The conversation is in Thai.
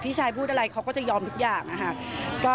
ชายพูดอะไรเขาก็จะยอมทุกอย่างนะคะ